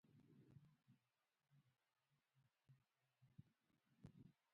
تودوخه د افغانستان د دوامداره پرمختګ لپاره اړین دي.